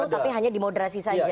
tapi hanya dimoderasi saja